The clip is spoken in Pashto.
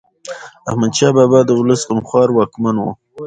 احمد شاه بابا د ولس غمخوار واکمن و.